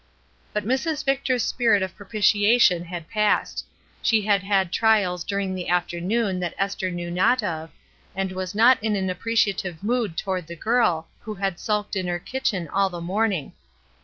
But Mrs. Victor's spirit of propitiation had passed ; she had had trials during the afternoon that Esther knew not of, and was not in an appreciative mood toward the girl, who had sulked in her kitchen all the morning.